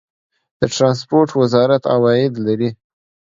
د ټرانسپورټ وزارت عواید لري؟